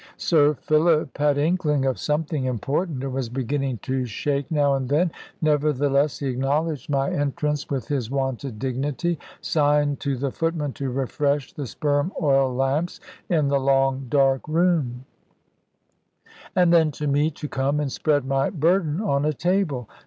Sir Philip had inkling of something important, and was beginning to shake now and then; nevertheless he acknowledged my entrance with his wonted dignity; signed to the footman to refresh the sperm oil lamps in the long dark room; and then to me to come and spread my burden on a table.